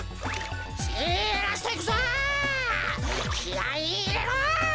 きあいいれろ！